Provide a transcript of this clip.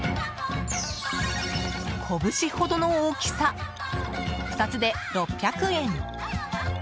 こぶしほどの大きさ２つで６００円。